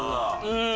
うん。